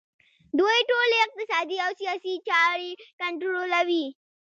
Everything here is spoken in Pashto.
دوی ټولې اقتصادي او سیاسي چارې کنټرولوي